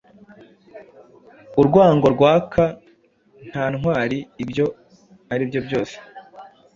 Urwango rwaka nta ntwari ibyo aribyo byose